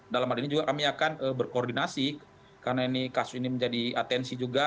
dan ini juga kami akan berkoordinasi karena ini kasus ini menjadi atensi juga